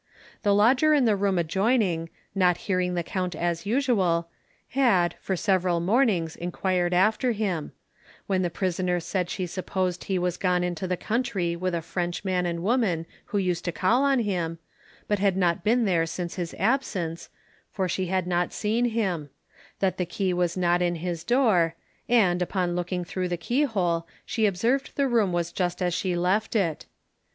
The lodger in the room adjoining, not hearing the count as usual, had, for several mornings, enquired after him; when the prisoner said she supposed he was gone into the country with a French man and woman who used to call on him, but had not been there since his absence, for she had not seen him; that the key was not in his door, and, upon looking through the keyhole, she observed the room was just as she left it.